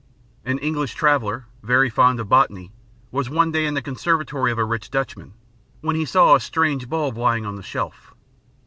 An English traveller, very fond of botany, was one day in the conservatory of a rich Dutchman, when he saw a strange bulb lying on a shelf.